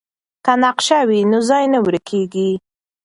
که نقشه وي نو ځای نه ورکیږي.